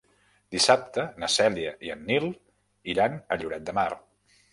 Dissabte na Cèlia i en Nil iran a Lloret de Mar.